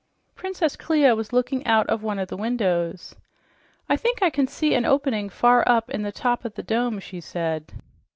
Princess Clia was looking out of one of the windows. "I think I can see an opening far up in the top of the dome," she said.